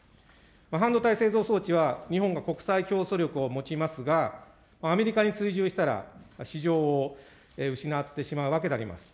半導体製造装置は、日本が国際競争力を持ちますが、アメリカに追従したら、市場を失ってしまうわけであります。